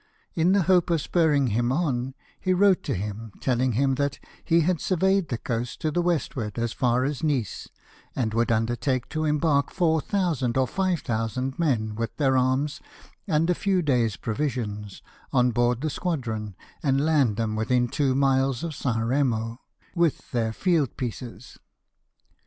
In the hope of spurring him on, he wrote to him, telling him that he had surveyed the coast to the westward as far as Nice, and would undertake to embark 4,000 or 5,000 men, with their arms and a few days' provisions, on board the squadron, and land them within two miles of St. Eemo, with their field pieces.